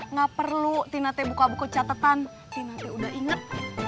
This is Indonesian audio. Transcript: nggak perlu tina t buka buka catetan tina t udah inget